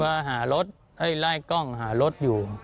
ก็หารถไล่กล้องหารถอยู่